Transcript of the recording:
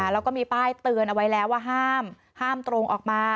แล้วก็มีป้ายเตือนเอาไว้แล้วว่าห้ามห้ามตรงออกมา